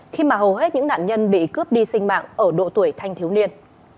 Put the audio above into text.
khi mà hầu hết những nạn nhân bị cướp đi sinh mạng ở độ tuổi thanh thiếu niên